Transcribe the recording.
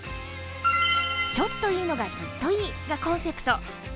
「ちょっといいのが、ずっといい」がコンセプト。